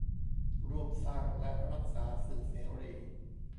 ร่วมสร้างและรักษาสื่อเสรี